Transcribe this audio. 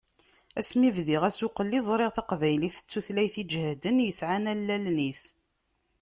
Asmi bdiɣ asuqel i ẓriɣ taqbaylit d tutlayt iǧehden, yesɛan allalen-is.